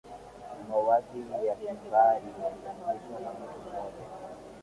mauaji ya kimbari yalianzishwa na mtu mmoja